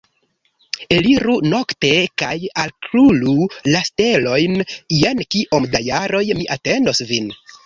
Eliru nokte kaj kalkulu la stelojn jen kiom da jaroj mi atendos vin